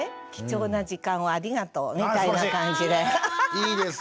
いいですね。